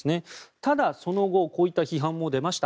ただ、その後こういった批判も出ました。